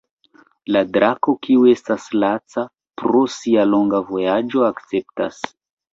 La drako, kiu estas laca pro sia longa vojaĝo, akceptas.